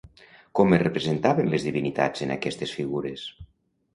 Com es representaven les divinitats en aquestes figures?